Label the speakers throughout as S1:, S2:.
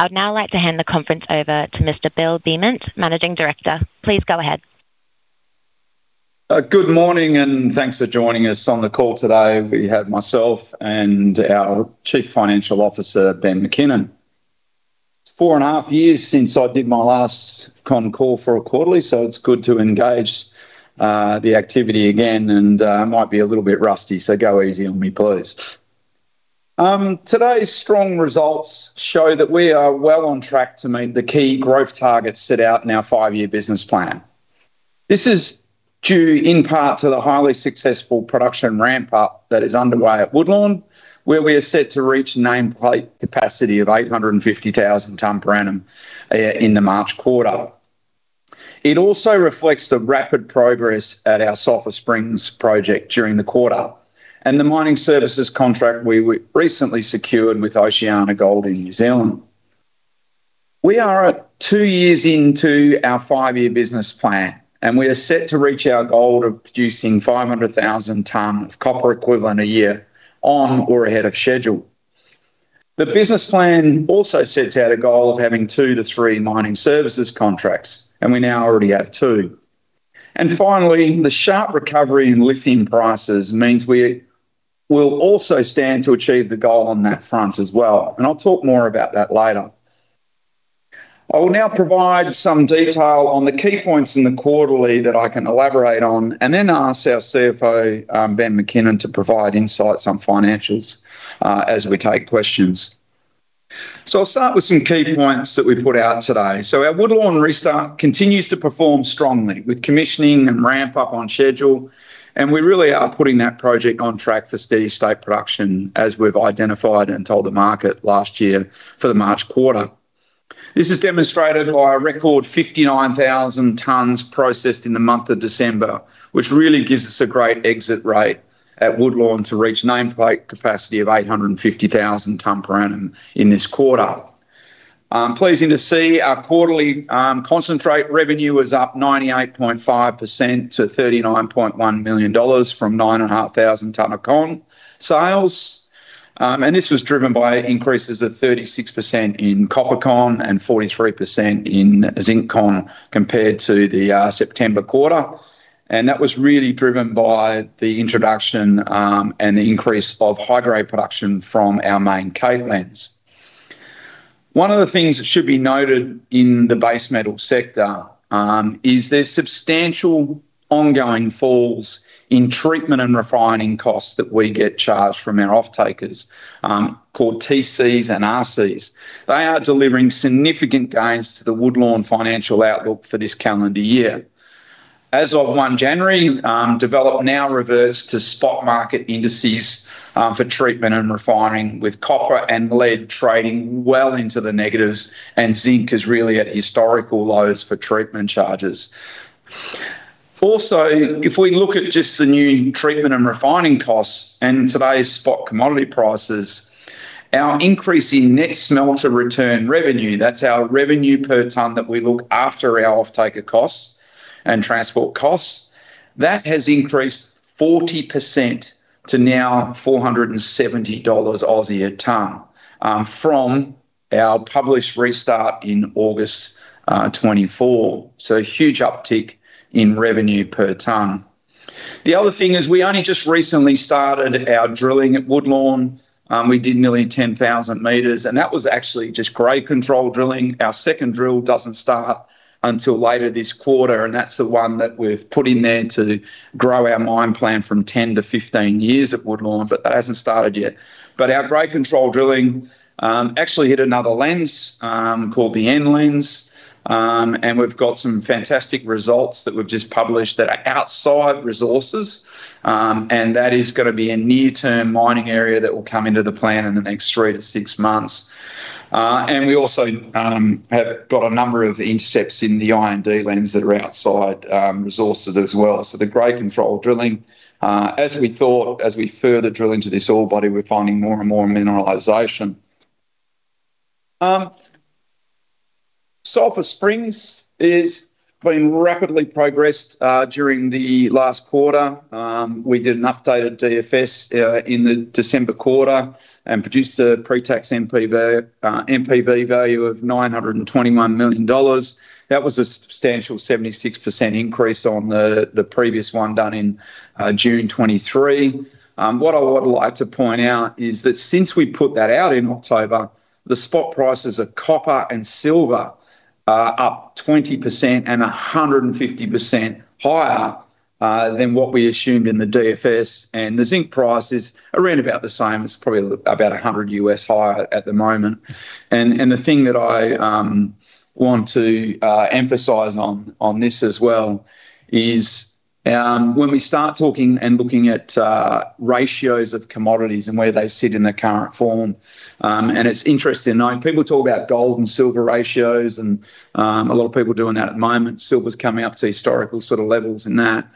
S1: I would now like to hand the conference over to Mr. Bill Beament, Managing Director. Please go ahead.
S2: Good morning, and thanks for joining us on the call today. We have myself and our Chief Financial Officer, Ben MacKinnon. Four and a half years since I did my last con call for a quarterly, so it's good to engage the activity again, and I might be a little bit rusty, so go easy on me, please. Today's strong results show that we are well on track to meet the key growth targets set out in our five-year business plan. This is due in part to the highly successful production ramp-up that is underway at Woodlawn, where we are set to reach a nameplate capacity of 850,000 tons per annum in the March quarter. It also reflects the rapid progress at our Sulphur Springs project during the quarter and the mining services contract we recently secured with OceanaGold in New Zealand. We are two years into our five-year business plan, and we are set to reach our goal of producing 500,000 tons of copper equivalent a year on or ahead of schedule. The business plan also sets out a goal of having two to three mining services contracts, and we now already have two. And finally, the sharp recovery in lithium prices means we will also stand to achieve the goal on that front as well, and I'll talk more about that later. I will now provide some detail on the key points in the quarterly that I can elaborate on, and then ask our CFO, Ben MacKinnon, to provide insights on financials as we take questions. I'll start with some key points that we put out today. Our Woodlawn restart continues to perform strongly with commissioning and ramp-up on schedule, and we really are putting that project on track for steady-state production, as we've identified and told the market last year for the March quarter. This is demonstrated by a record 59,000 tons processed in the month of December, which really gives us a great exit rate at Woodlawn to reach a nameplate capacity of 850,000 tons per annum in this quarter. Pleasing to see, our quarterly concentrate revenue was up 98.5% to 39.1 million dollars from 9,500 tons of con sales, and this was driven by increases of 36% in copper con and 43% in zinc con compared to the September quarter, and that was really driven by the introduction and the increase of high-grade production from our main Kate Lens. One of the things that should be noted in the base metal sector is there's substantial ongoing falls in treatment and refining costs that we get charged from our off-takers called TCs and RCs. They are delivering significant gains to the Woodlawn financial outlook for this calendar year. As of 1 January, Develop now reverts to spot market indices for treatment and refining, with copper and lead trading well into the negatives, and zinc is really at historical lows for treatment charges. Also, if we look at just the new treatment and refining costs and today's spot commodity prices, our increase in net smelter return revenue, that's our revenue per ton that we look after our off-taker costs and transport costs, that has increased 40% to now AUD 470 a ton from our published restart in August 2024, so a huge uptick in revenue per ton. The other thing is we only just recently started our drilling at Woodlawn. We did nearly 10,000 meters, and that was actually just grade control drilling. Our second drill doesn't start until later this quarter, and that's the one that we've put in there to grow our mine plan from 10-15 years at Woodlawn, but that hasn't started yet. But our grade control drilling actually hit another lens called the N Lens, and we've got some fantastic results that we've just published that are outside resources, and that is going to be a near-term mining area that will come into the plan in the next 3-6 months. And we also have got a number of intercepts in the I and D Lens that are outside resources as well. The grade control drilling, as we thought, as we further drill into this ore body, we're finding more and more mineralization. Sulphur Springs has been rapidly progressed during the last quarter. We did an updated DFS in the December quarter and produced a pre-tax NPV value of 921 million dollars. That was a substantial 76% increase on the previous one done in June 2023. What I would like to point out is that since we put that out in October, the spot prices of copper and silver are up 20% and 150% higher than what we assumed in the DFS, and the zinc price is around about the same, it's probably about $100 higher at the moment. The thing that I want to emphasize on this as well is when we start talking and looking at ratios of commodities and where they sit in their current form, and it's interesting knowing people talk about gold and silver ratios, and a lot of people doing that at the moment, silver's coming up to historical sort of levels in that.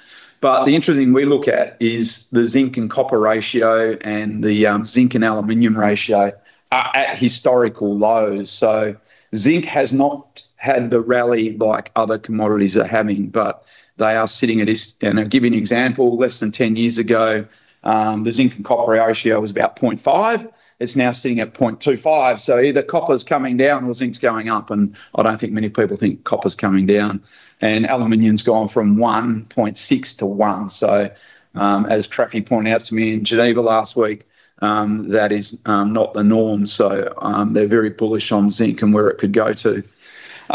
S2: But the interesting thing we look at is the zinc and copper ratio and the zinc and aluminum ratio are at historical lows. So zinc has not had the rally like other commodities are having, but they are sitting at this, and I'll give you an example. Less than 10 years ago, the zinc and copper ratio was about 0.5. It's now sitting at 0.25. Either copper's coming down or zinc's going up, and I don't think many people think copper's coming down, and aluminum's gone from 1.6-1. So as Trafi pointed out to me in Geneva last week, that is not the norm. So they're very bullish on zinc and where it could go to.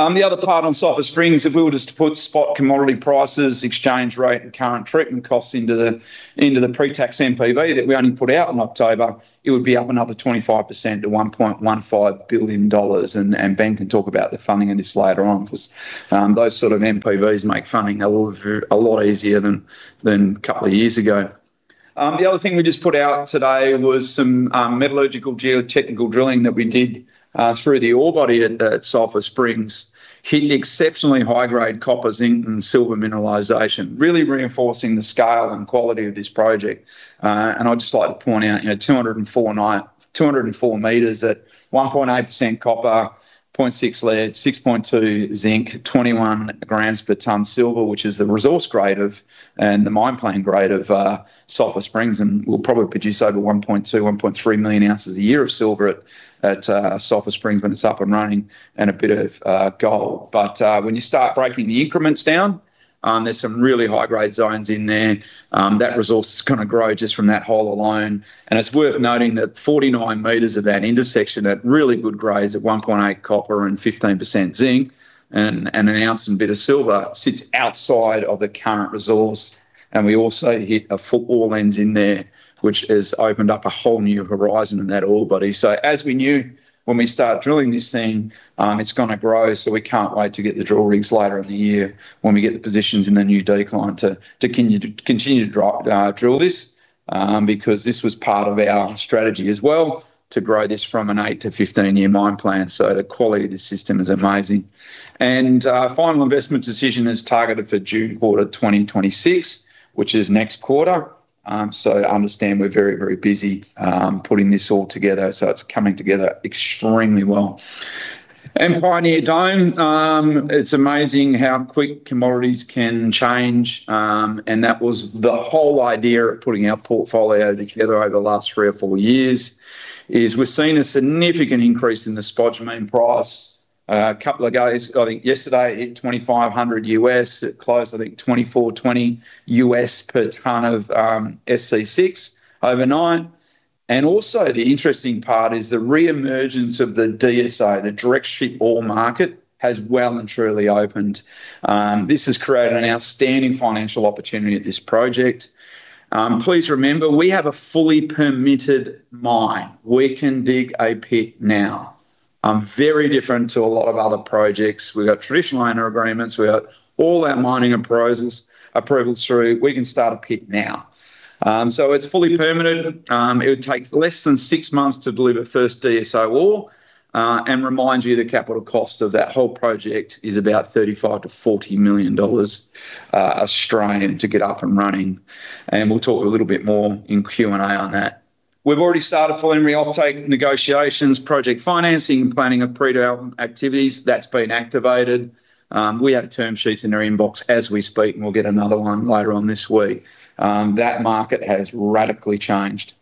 S2: The other part on Sulphur Springs, if we were just to put spot commodity prices, exchange rate, and current treatment costs into the pre-tax NPV that we only put out in October, it would be up another 25% to 1.15 billion dollars, and Bill can talk about the funding of this later on because those sort of NPVs make funding a lot easier than a couple of years ago. The other thing we just put out today was some metallurgical geotechnical drilling that we did through the ore body at Sulphur Springs. It hit exceptionally high-grade copper, zinc, and silver mineralization, really reinforcing the scale and quality of this project. I'd just like to point out 204 meters at 1.8% copper, 0.6 lead, 6.2 zinc, 21 grams per ton silver, which is the resource grade and the mine plan grade of Sulphur Springs, and will probably produce over 1.2-1.3 million ounces a year of silver at Sulphur Springs when it's up and running and a bit of gold. But when you start breaking the increments down, there's some really high-grade zones in there. That resource is going to grow just from that hole alone. It's worth noting that 49 meters of that intersection at really good grades at 1.8 copper and 15% zinc and an ounce and a bit of silver sits outside of the current resource. We also hit a full ore lens in there, which has opened up a whole new horizon in that ore body. As we knew when we start drilling this thing, it's going to grow, so we can't wait to get the drill rigs later in the year when we get the positions in the new decline to continue to drill this because this was part of our strategy as well to grow this from an 8- to 15-year mine plan. The quality of this system is amazing. Final investment decision is targeted for June quarter 2026, which is next quarter. I understand we're very, very busy putting this all together, so it's coming together extremely well. And Pioneer Dome, it's amazing how quick commodities can change, and that was the whole idea of putting our portfolio together over the last three or four years is we've seen a significant increase in the spodumene price. A couple of days, I think yesterday, it hit $2,500. It closed, I think, $2,420 per ton of SC6 overnight. And also the interesting part is the re-emergence of the DSO, the direct ship ore market, has well and truly opened. This has created an outstanding financial opportunity at this project. Please remember, we have a fully permitted mine. We can dig a pit now. Very different to a lot of other projects. We've got traditional owner agreements. We've got all our mining approvals through. We can start a pit now. So it's fully permitted. It would take less than six months to deliver first DSO ore. Remind you, the capital cost of that whole project is about 35 million-40 million Australian dollars to get up and running. We'll talk a little bit more in Q&A on that. We've already started full entry off-take negotiations, project financing, and planning of pre-development activities. That's been activated. We have term sheets in our inbox as we speak, and we'll get another one later on this week. That market has radically changed.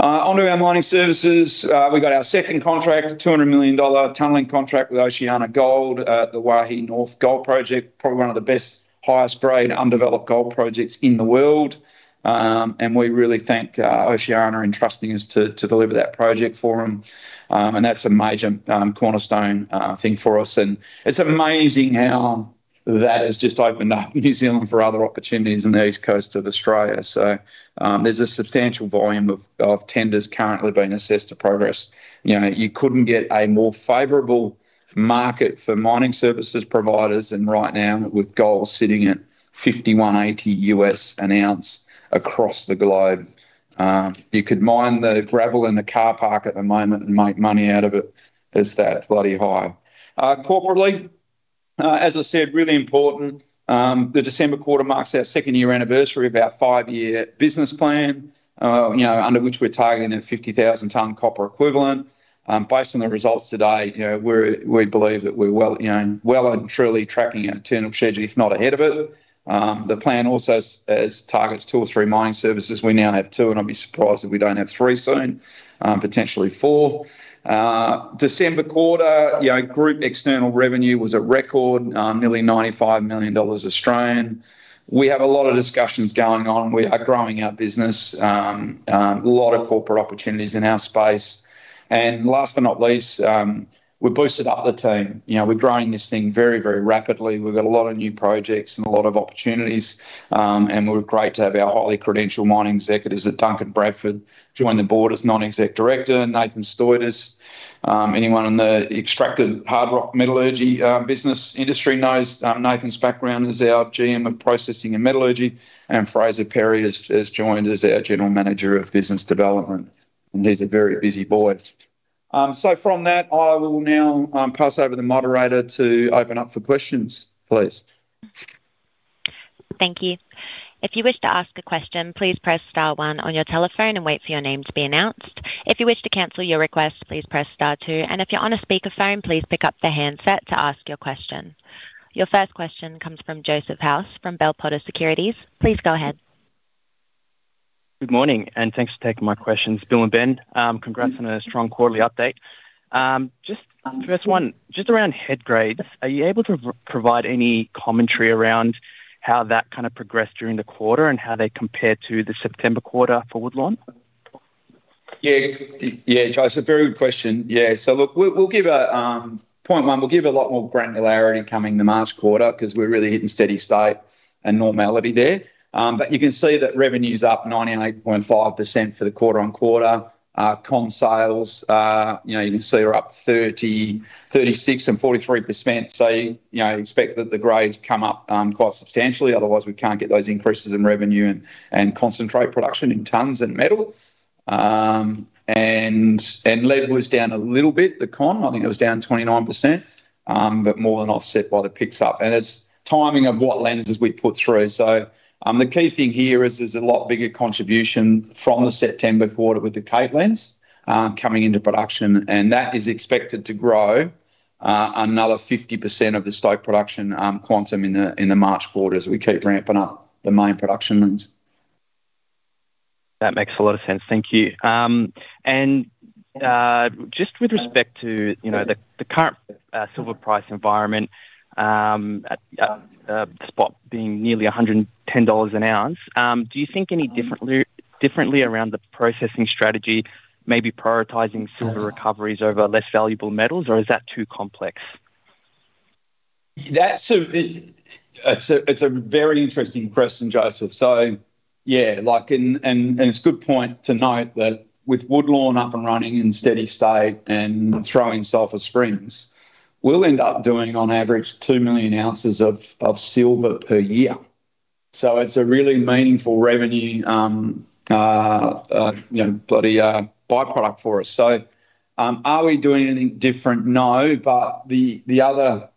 S2: Onto our mining services, we've got our second contract, a 200 million dollar tunneling contract with OceanaGold at the Waihi North Project, probably one of the best, highest-grade undeveloped gold projects in the world. We really thank OceanaGold for entrusting us to deliver that project for them. That's a major cornerstone thing for us. It's amazing how that has just opened up New Zealand for other opportunities on the east coast of Australia. There's a substantial volume of tenders currently being assessed to progress. You couldn't get a more favorable market for mining services providers than right now, with gold sitting at $5,180 an ounce across the globe. You could mine the gravel in the car park at the moment and make money out of it. It's that bloody high. Corporately, as I said, really important. The December quarter marks our second-year anniversary of our five-year business plan, under which we're targeting a 50,000 ton copper equivalent. Based on the results today, we believe that we're well and truly tracking our turn of schedule, if not ahead of it. The plan also targets two or three mining services. We now have two, and I'd be surprised if we don't have three soon, potentially four. December quarter, group external revenue was at record, nearly 95 million Australian dollars. We have a lot of discussions going on. We are growing our business, a lot of corporate opportunities in our space. And last but not least, we've boosted up the team. We're growing this thing very, very rapidly. We've got a lot of new projects and a lot of opportunities, and we're great to have our highly credentialed mining executive Duncan Bradford join the board as non-exec director. Nathan Stoitis. Is anyone in the extractive hard rock metallurgy business industry knows Nathan's background as our GM of processing and metallurgy, and Fraser Perry has joined as our General Manager of Business Development. And he's a very busy boy. So from that, I will now pass over the moderator to open up for questions, please.
S1: Thank you. If you wish to ask a question, please press star one on your telephone and wait for your name to be announced. If you wish to cancel your request, please press star two. And if you're on a speakerphone, please pick up the handset to ask your question. Your first question comes from Joseph House from Bell Potter Securities. Please go ahead.
S3: Good morning, and thanks for taking my questions, Bill and Ben. Congrats on a strong quarterly update. Just first one, just around head grades, are you able to provide any commentary around how that kind of progressed during the quarter and how they compare to the September quarter for Woodlawn?
S2: Yeah, Joseph, a very good question. Yeah. So look, we'll give 0.1, we'll give a lot more granularity coming the March quarter because we're really hitting steady state and normality there. But you can see that revenue's up 98.5% quarter-on-quarter. Con sales, you can see are up 36% and 43%. So expect that the grades come up quite substantially. Otherwise, we can't get those increases in revenue and concentrate production in tons and metal. And lead was down a little bit, the con. I think it was down 29%, but more than offset by the pick ups. And it's timing of what lenses we put through. So the key thing here is there's a lot bigger contribution from the September quarter with the Kate Lens coming into production, and that is expected to grow another 50% of the stope production quantum in the March quarter as we keep ramping up the main production lens.
S3: That makes a lot of sense. Thank you. And just with respect to the current silver price environment, the spot being nearly $110 an ounce, do you think any differently around the processing strategy, maybe prioritizing silver recoveries over less valuable metals, or is that too complex?
S2: It's a very interesting question, Joseph. So yeah, and it's a good point to note that with Woodlawn up and running in steady state and throwing Sulphur Springs, we'll end up doing on average 2 million ounces of silver per year. So it's a really meaningful revenue bloody byproduct for us. So are we doing anything different? No, but the other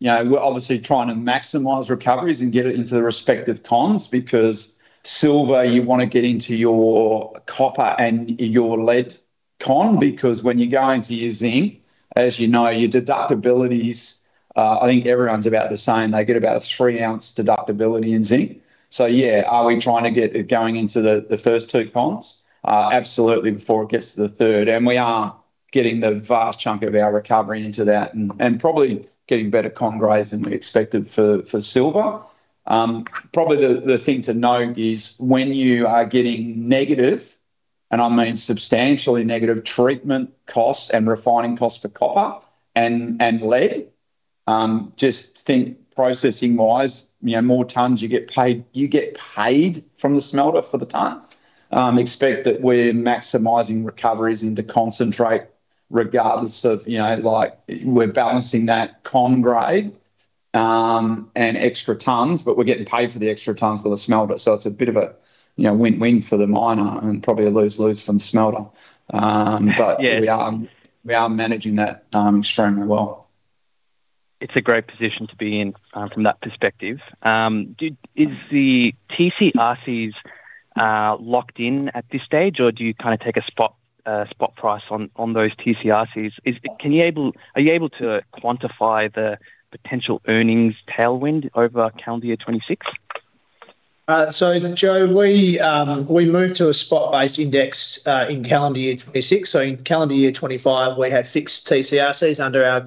S2: we're obviously trying to maximize recoveries and get it into the respective cons because silver, you want to get into your copper and your lead con because when you're going to use zinc, as you know, your deductibilities, I think everyone's about the same. They get about a 3-ounce deductibility in zinc. So yeah, are we trying to get it going into the first two cons? Absolutely before it gets to the third. And we are getting the vast chunk of our recovery into that and probably getting better con grades than we expected for silver. Probably the thing to note is when you are getting negative, and I mean substantially negative treatment costs and refining costs for copper and lead, just think processing-wise, more tons you get paid from the smelter for the time. Expect that we're maximizing recoveries into concentrate regardless of we're balancing that con grade and extra tons, but we're getting paid for the extra tons for the smelter. So it's a bit of a win-win for the miner and probably a lose-lose for the smelter. But we are managing that extremely well.
S3: It's a great position to be in from that perspective. Is the TC/RCs locked in at this stage, or do you kind of take a spot price on those TC/RCs? Are you able to quantify the potential earnings tailwind over calendar year 2026?
S4: So Joe, we moved to a spot-based index in calendar year 2026. So in calendar year 2025, we had fixed TC/RCs under our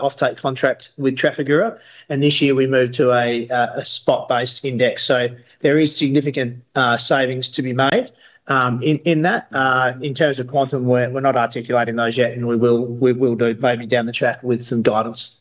S4: off-take contract with Trafigura. And this year, we moved to a spot-based index. So there is significant savings to be made in that. In terms of quantum, we're not articulating those yet, and we will do maybe down the track with some guidance.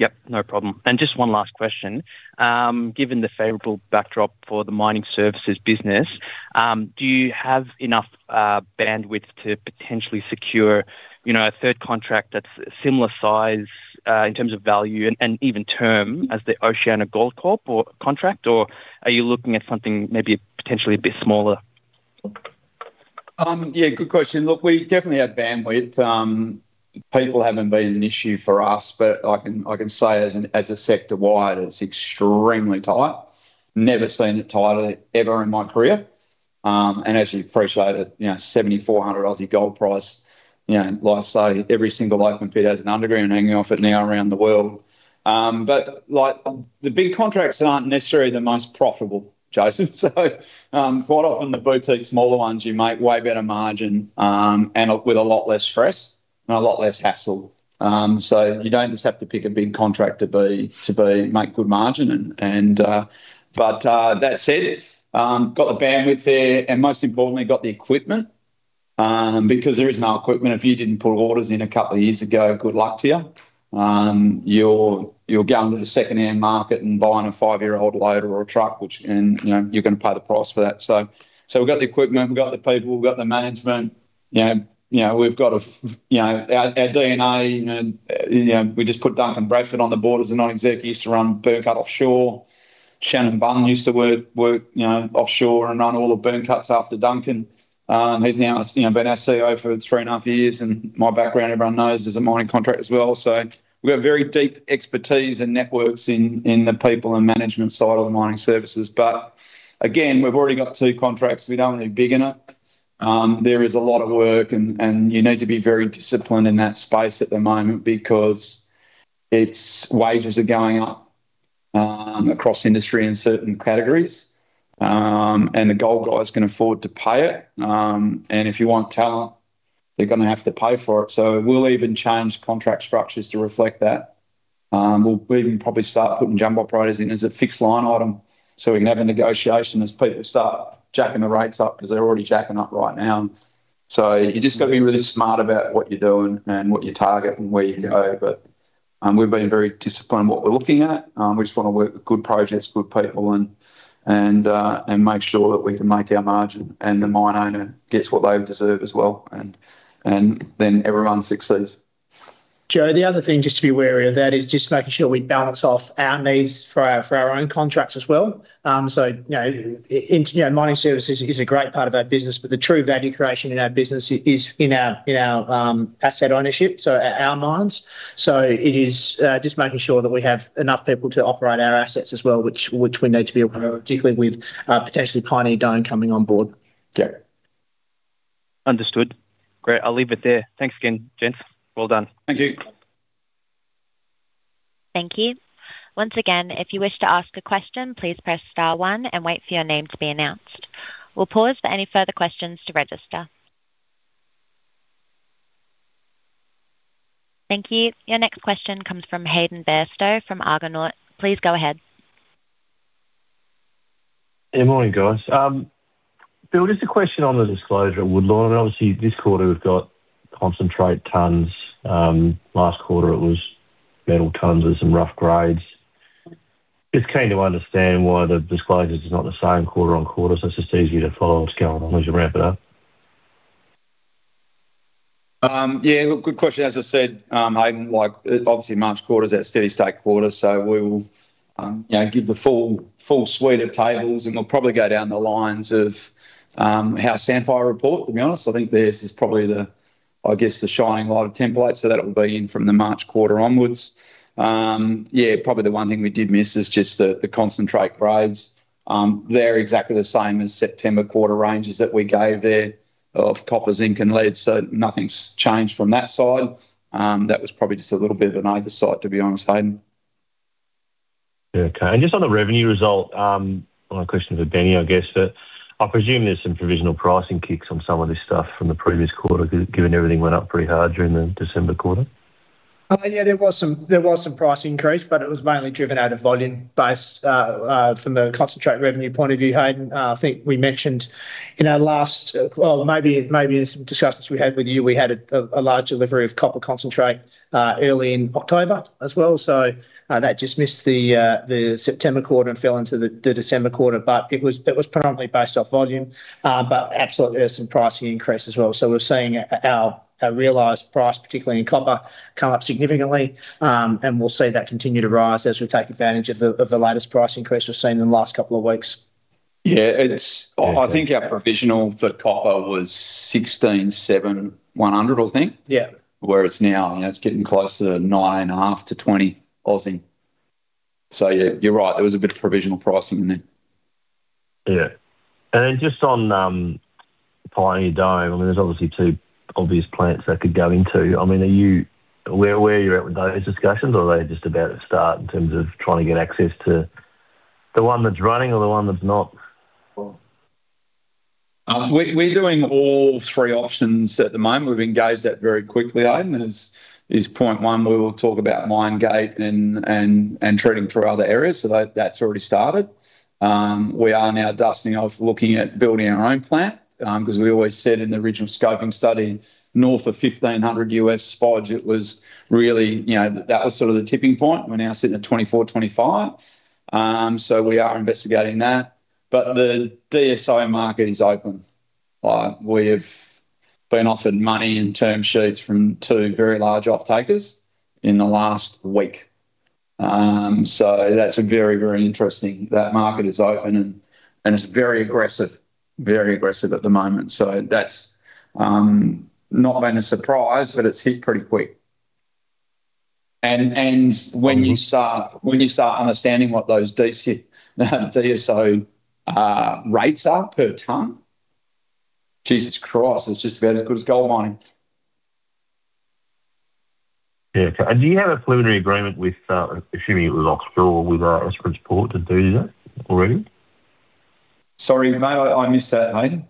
S3: Yep, no problem. And just one last question. Given the favorable backdrop for the mining services business, do you have enough bandwidth to potentially secure a third contract that's similar size in terms of value and even term as the OceanaGold Corp contract, or are you looking at something maybe potentially a bit smaller?
S2: Yeah, good question. Look, we definitely have bandwidth. People haven't been an issue for us, but I can say as a sector wide, it's extremely tight. Never seen it tighter ever in my career. And as you appreciate, $7,400 gold price, every single open pit has an underground hanging off it now around the world. But the big contracts aren't necessarily the most profitable, Joseph. So quite often, the boutique smaller ones, you make way better margin and with a lot less stress and a lot less hassle. So you don't just have to pick a big contract to make good margin. But that said, got the bandwidth there, and most importantly, got the equipment because there is no equipment. If you didn't put orders in a couple of years ago, good luck to you. You're going to the second-hand market and buying a five-year-old loader or a truck, which you're going to pay the price for that. So we've got the equipment. We've got the people. We've got the management. We've got our DNA. We just put Duncan Bradford on the board as a non-executive to run Byrnecut offshore. Shannon Bunn used to work offshore and run all the Byrnecuts after Duncan. He's now been our CO for three and a half years, and my background everyone knows is a mining contract as well. So we've got very deep expertise and networks in the people and management side of the mining services. But again, we've already got two contracts. We don't want to be big in it. There is a lot of work, and you need to be very disciplined in that space at the moment because wages are going up across industry in certain categories, and the gold guys can afford to pay it. And if you want talent, they're going to have to pay for it. So we'll even change contract structures to reflect that. We'll even probably start putting jumbo prices in as a fixed line item so we can have a negotiation as people start jacking the rates up because they're already jacking up right now. So you just got to be really smart about what you're doing and what you target and where you go. But we've been very disciplined in what we're looking at. We just want to work with good projects, good people, and make sure that we can make our margin and the mine owner gets what they deserve as well. And then everyone succeeds.
S4: Joe, the other thing just to be wary of that is just making sure we balance off our needs for our own contracts as well. So mining services is a great part of our business, but the true value creation in our business is in our asset ownership, so our mines. So it is just making sure that we have enough people to operate our assets as well, which we need to be aware of, particularly with potentially Pioneer Dome coming on board. Yeah.
S3: Understood. Great. I'll leave it there. Thanks again, gents. Well done. Thank you.
S1: Thank you. Once again, if you wish to ask a question, please press star one and wait for your name to be announced. We'll pause for any further questions to register. Thank you. Your next question comes from Hayden Bairstow from Argonaut. Please go ahead.
S5: Good morning, guys. Bill, just a question on the disclosure at Woodlawn. Obviously, this quarter, we've got concentrate tons. Last quarter, it was metal tons with some rough grades. Just keen to understand why the disclosure is not the same quarter on quarter. So it's just easier to follow what's going on as you ramp it up.
S2: Yeah, look, good question. As I said, obviously, March quarter is that steady state quarter. So we will give the full suite of tables, and we'll probably go down the lines of how Sandfire report, to be honest. I think this is probably, I guess, the shining light of template. So that will be in from the March quarter onwards. Yeah, probably the one thing we did miss is just the concentrate grades. They're exactly the same as September quarter ranges that we gave there of copper, zinc, and lead. So nothing's changed from that side. That was probably just a little bit of an oversight, to be honest, Hayden.
S5: Okay. And just on the revenue result, my question for Benny, I guess, I presume there's some provisional pricing kicks on some of this stuff from the previous quarter, given everything went up pretty hard during the December quarter.
S4: Yeah, there was some price increase, but it was mainly driven out of volume based from the concentrate revenue point of view, Hayden. I think we mentioned in our last, well, maybe in some discussions we had with you, we had a large delivery of copper concentrate early in October as well. That just missed the September quarter and fell into the December quarter. It was predominantly based off volume, but absolutely there's some pricing increase as well. We're seeing our realised price, particularly in copper, come up significantly. We'll see that continue to rise as we take advantage of the latest price increase we've seen in the last couple of weeks. Yeah. I think our provisional for copper was 1,607,100, I think, where it's now. It's getting close to 9.5-20. So yeah, you're right. There was a bit of provisional pricing in there.
S5: Yeah. And then just on Pioneer Dome, I mean, there's obviously two obvious plants that could go into. I mean, are you aware where you're at with those discussions, or are they just about to start in terms of trying to get access to the one that's running or the one that's not?
S4: We're doing all three options at the moment. We've engaged that very quickly, Hayden. Is point one, we will talk about mine gate and treating through other areas. So that's already started. We are now dusting off looking at building our own plant because we always said in the original scoping study, north of $1,500 spod, it was really that was sort of the tipping point. We're now sitting at $2,425. So we are investigating that. But the DSO market is open. We have been offered money in term sheets from two very large off-takers in the last week. So that's very, very interesting. That market is open, and it's very aggressive, very aggressive at the moment. So that's not been a surprise, but it's hit pretty quick. And when you start understanding what those DSO rates are per ton, Jesus Christ, it's just about as good as gold mining.
S5: Yeah. And do you have a preliminary agreement with, assuming it was offshore, with the Esperance Port to do that already?
S4: Sorry, I missed that, Hayden.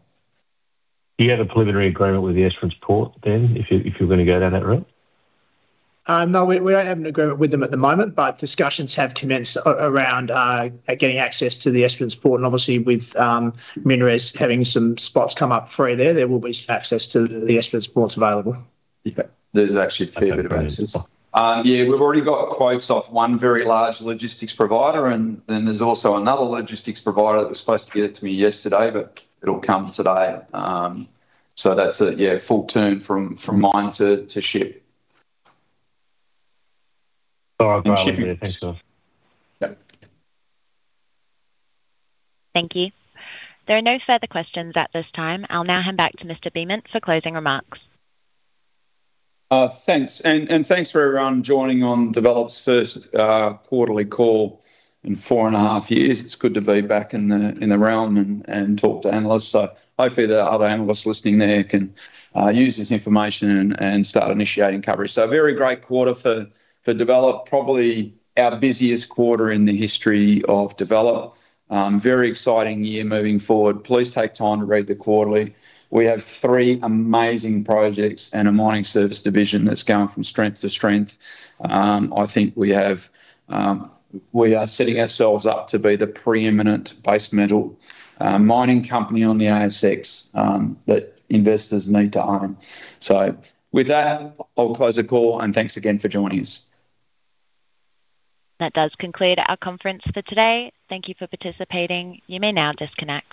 S5: Do you have a preliminary agreement with the Esperance Port then if you're going to go down that route?
S4: No, we don't have an agreement with them at the moment, but discussions have commenced around getting access to the Esperance Port. And obviously, with MinRes having some spots come up free there, there will be some access to the Esperance Port available. Okay. There's actually a fair bit of access.
S2: Yeah. We've already got quotes off one very large logistics provider, and then there's also another logistics provider that was supposed to get it to me yesterday, but it'll come today. So that's a, yeah, full turn from mine to ship.
S5: All right. Thanks, guys.
S1: Thank you. There are no further questions at this time. I'll now hand back to Mr. Beament for closing remarks.
S2: Thanks. And thanks for everyone joining on Develop's first quarterly call in four and a half years. It's good to be back in the realm and talk to analysts. So hopefully, the other analysts listening there can use this information and start initiating coverage. So very great quarter for Develop, probably our busiest quarter in the history of Develop. Very exciting year moving forward. Please take time to read the quarterly. We have three amazing projects and a mining service division that's going from strength to strength. I think we are setting ourselves up to be the preeminent base metal mining company on the ASX that investors need to own. So with that, I'll close the call, and thanks again for joining us.
S1: That does conclude our conference for today. Thank you for participating. You may now disconnect.